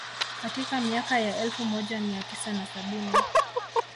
Katika miaka ya elfu moja mia tisa na sabini